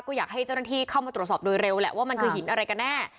ก็อยากให้เจ้าหน้าที่เข้ามาตรวจสอบโดยเร็วแหละว่ามันคือหินอะไรกันแน่